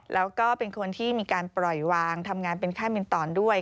แล้วก็เป็นคนที่มีการปล่อยวางทำงานเป็นค่ามินตอนด้วย